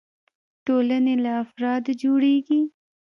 ټولنې له افرادو جوړيږي.